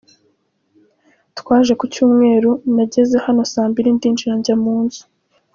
Twaje ku cyumweru nageze hano saa mbili ndinjira njya mu nzu.